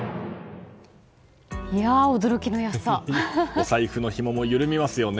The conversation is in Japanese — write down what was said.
お財布のひもも緩みますよね。